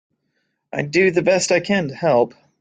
I do the best I can to help.